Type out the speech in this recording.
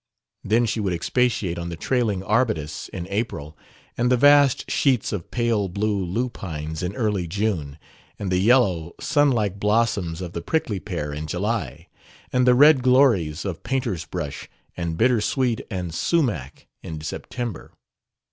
Then she would expatiate on the trailing arbutus in April, and the vast sheets of pale blue lupines in early June, and the yellow, sunlike blossoms of the prickly pear in July, and the red glories of painter's brush and bittersweet and sumach in September.